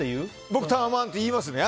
僕、タワマンって言いますね。